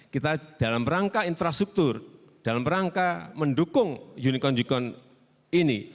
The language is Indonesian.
kita dalam rangka infrastruktur dalam rangka mendukung unicorn unicorn ini